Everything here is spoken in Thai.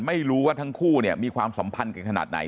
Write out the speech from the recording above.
ไม่รู้ว่าทั้งคู่เนี่ยมีความสัมพันธ์กันขนาดไหน